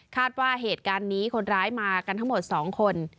ว่าเหตุการณ์นี้คนร้ายมากันทั้งหมด๒คน